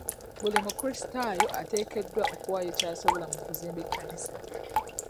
Buli mu kulisitaayo ateekeddwa okuwaayo ky'asobola mu kuzimba ekkanisa.